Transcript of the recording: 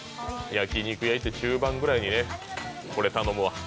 焼肉屋行って中盤ぐらいに、これ頼むわ。